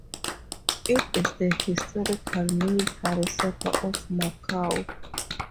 It is the historical military centre of Macau.